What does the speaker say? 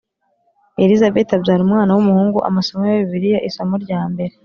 Elizabeti abyara umwana w umuhungu amasomo ya bibiliya isomo rya mbere